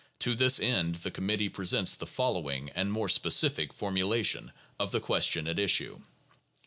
To this end the committee presents the following more specific formulation of the question at issue.